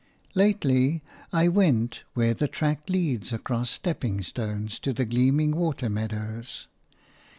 Lately I went where the track leads across stepping stones to the gleaming water meadows.